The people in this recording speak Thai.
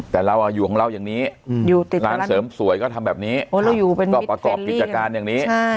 แต่เราอยู่ของเราอย่างนี้อยู่ติดร้านเสริมสวยก็ทำแบบนี้ก็ประกอบกิจการอย่างนี้